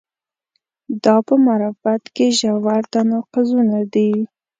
دا په معرفت کې ژور تناقضونه دي.